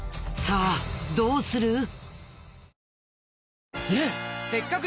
さあどうする？